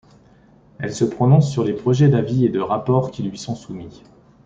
Elle se prononce sur les projets d’avis ou de rapports qui lui sont soumis.